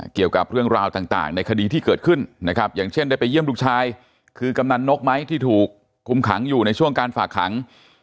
เกี่ยวกับเรื่องราวต่างในคดีที่เกิดขึ้นนะครับอย่างเช่นได้ไปเยี่ยมลูกชายคือกำนันนกไหมที่ถูกคุมขังอยู่ในช่วงการฝากขัง